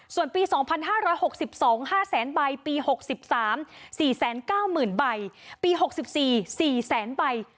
ส่วนปี๒๕๖๒๕แสนใบปี๖๓๔๙๐๐๐ใบปี๖๔๔แสนใบ